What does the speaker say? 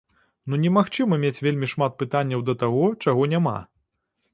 Ну немагчыма мець вельмі шмат пытанняў да таго, чаго няма!